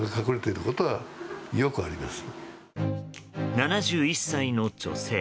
７１歳の女性。